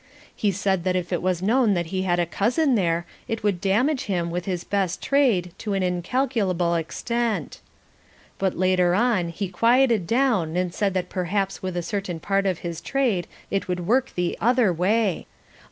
He said that if it was known that he had a cousin there it would damage him with his best trade to an incalculable extent. But later on he quieted down and said that perhaps with a certain part of his trade it would work the other way.